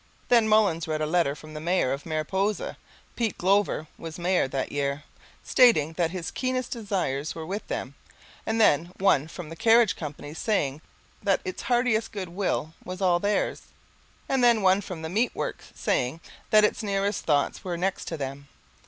Then Mullins read a letter from the Mayor of Mariposa Pete Glover was mayor that year stating that his keenest desires were with them: and then one from the Carriage Company saying that its heartiest good will was all theirs; and then one from the Meat Works saying that its nearest thoughts were next to them.